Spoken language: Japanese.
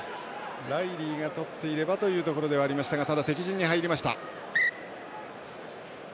ライリーがとっていればというところでしたがただ、敵陣に入りました。